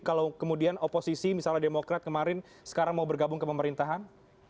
kalau kemudian oposisi misalnya demokrat kemarin sekarang mau bergabung ke pemerintahan